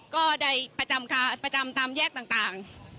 ก็ได้ประจำตามแยกต่าง